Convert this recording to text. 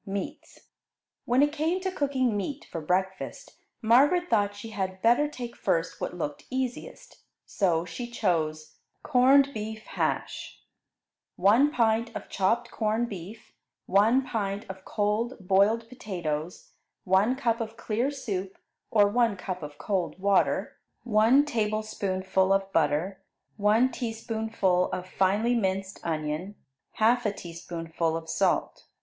MEATS When it came to cooking meat for breakfast, Margaret thought she had better take first what looked easiest, so she chose Corned Beef Hash 1 pint of chopped corned beef. 1 pint of cold boiled potatoes. 1 cup of clear soup, or one cup of cold water. 1 tablespoonful of butter. 1 teaspoonful of finely minced onion. 1/2 teaspoonful of salt.